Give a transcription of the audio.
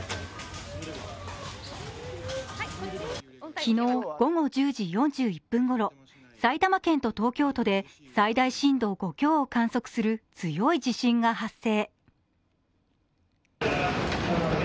昨日午後１０時４１分ごろ、埼玉県と東京都で最大震度５強を観測する強い地震が発生。